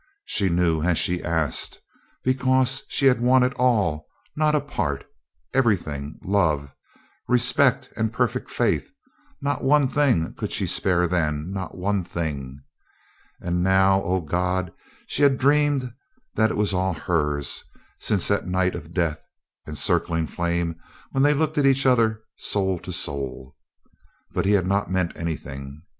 She knew as she asked because she had wanted all, not a part everything, love, respect and perfect faith not one thing could she spare then not one thing. And now, oh, God! she had dreamed that it was all hers, since that night of death and circling flame when they looked at each other soul to soul. But he had not meant anything.